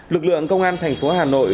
lực lượng công an tp hà nội